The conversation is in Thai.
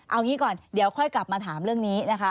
เอางี้ก่อนเดี๋ยวค่อยกลับมาถามเรื่องนี้นะคะ